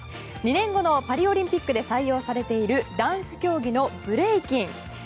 ２年後のパリオリンピックで採用されているダンス競技のブレイキン。